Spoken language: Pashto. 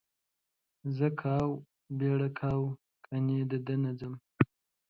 زر کاوه, بيړه کاوه کني ده نه ځم.